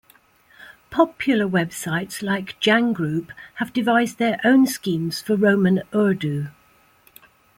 Popular websites like Jang Group have devised their own schemes for Roman Urdu.